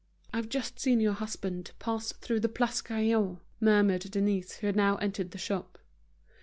"I've just seen your husband pass through the Place Gaillon," murmured Denise, who had now entered the shop.